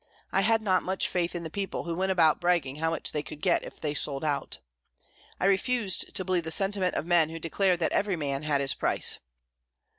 I had not much faith in the people who went about bragging how much they could get if they sold out. I refused to believe the sentiment of men who declared that every man had his price.